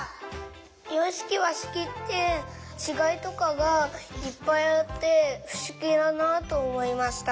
ようしきわしきってちがいとかがいっぱいあってふしぎだなとおもいました。